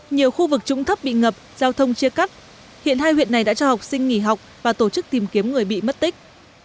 nhiều khu vực trũng thấp bị ngập giao thông chia cắt hiện hai huyện này đã cho học sinh nghỉ học và tổ chức tìm kiếm người bị mất tích